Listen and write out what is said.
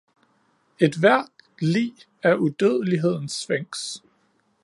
Ethvert lig er udødelighedens sfinks.